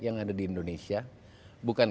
yang ada di indonesia bukan